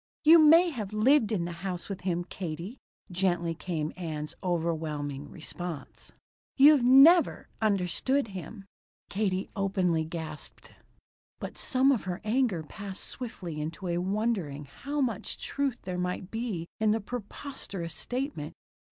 "You may have lived in the house with him, Katie," gently came Ann's overwhelming response. "You've never understood him." Katie openly gasped. But some of her anger passed swiftly into a wondering how much truth there might be in the preposterous statement.